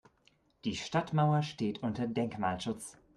Die Stadtmauer steht unter Denkmalschutz.